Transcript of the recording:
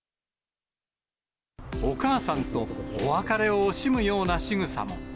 お母さんとお別れを惜しむようなしぐさも。